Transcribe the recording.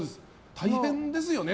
大変ですよね。